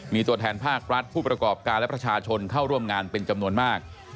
มีตัวแทนภาครัฐผู้ประกอบการและประชาชนเข้าร่วมงานเป็นจำนวนมาก